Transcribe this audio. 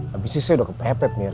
habis ini saya udah kepepet mir